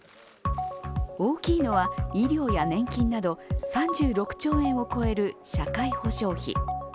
大きいのは医療や年金など３６兆円を超える社会保障費。